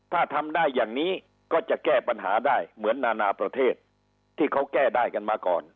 ถ้าทำได้อย่างนี้ก็จะแก้ปัญหาได้เหมือนนานาประเทศที่เขาแก้ได้กันมาก่อน